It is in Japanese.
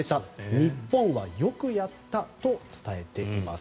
日本はよくやったと伝えています。